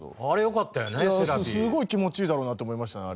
すごい気持ちいいだろうなって思いましたね